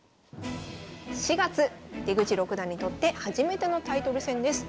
４月出口六段にとって初めてのタイトル戦です。